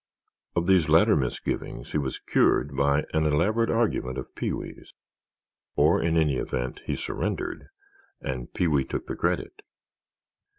Of these latter misgivings he was cured by an elaborate argument of Pee wee's. Or, in any event, he surrendered—and Pee wee took the credit.